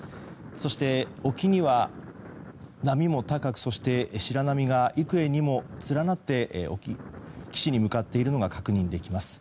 そして、沖には波も高く白波が幾重にも連なって岸に向かっているのが確認できます。